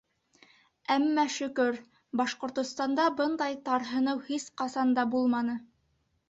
Әммә, шөкөр, Башҡортостанда бындай тарһыныу һис ҡасан да булманы.